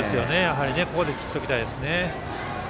ここで切っておきたいですよね。